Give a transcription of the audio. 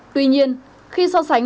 tuy nhiên khi so sánh